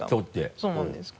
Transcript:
そうなんですか。